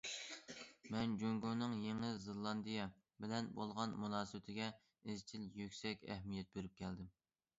مەن جۇڭگونىڭ يېڭى زېلاندىيە بىلەن بولغان مۇناسىۋىتىگە ئىزچىل يۈكسەك ئەھمىيەت بېرىپ كەلدىم.